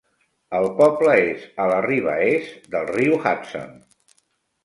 El poble és a la riba est del riu Hudson.